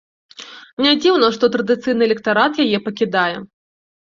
Нядзіўна, што традыцыйны электарат яе пакідае.